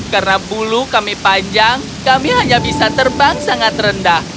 karena bulu kami panjang kami hanya bisa terbang sangat rendah